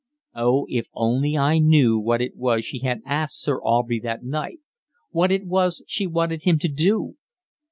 Oh, if only I knew what it was she had asked Sir Aubrey that night what it was she wanted him to do.